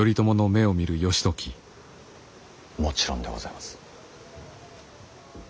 もちろんでございます。